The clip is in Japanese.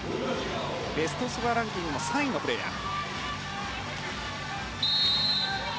ベストスコアラーランキング３位のプレーヤー。